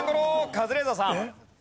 カズレーザーさん。